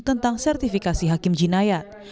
tentang sertifikasi hakim jinayat